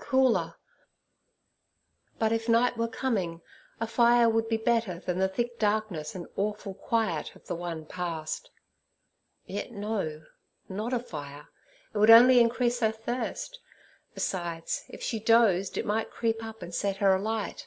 cooler, but if night were coming a fire would be better than the thick darkness and awful quiet of the one past. Yet no, not a fire: it would only increase her thirst. Besides, if she dozed, it might creep up and set her alight.